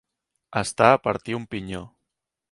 Estar a partir un pinyó.